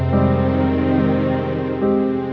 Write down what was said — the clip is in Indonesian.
tak ada apa apa